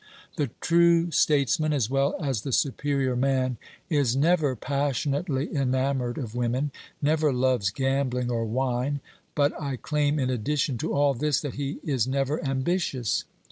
The true states man as well as the superior man is never passionately enamoured of women, never loves gambling or wine, but I claim in addition to all this that he is never ambitious.